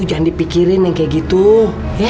jangan dipikirin yang kayak gitu